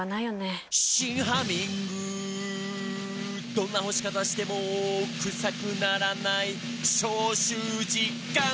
「どんな干し方してもクサくならない」「消臭実感！」